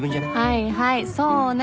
はいはいそうね。